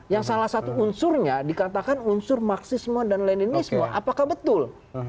yang salah satu unsurnya dikatakan unsur marxisme dan leninisme apakah betul